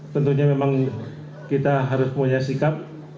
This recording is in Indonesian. tentunya memang kita harus punya sikap